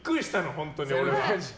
本当に、俺は。